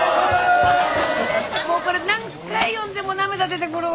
もうこれ何回読んでも涙出てくるわ。